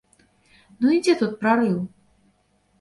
Ну і дзе тут прарыў?